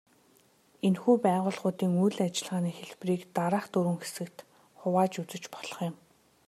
Энэхүү байгууллагуудын үйл ажиллагааны хэлбэрийг дараах дөрвөн хэсэгт хуваан үзэж болох юм.